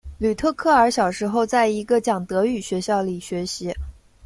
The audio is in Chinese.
吕特克尔小时候在一个讲德语学校里学习。